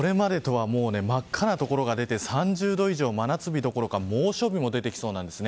これまでとは真っ赤な所が出て３０度以上、真夏日の所か猛暑日も出てきそうです。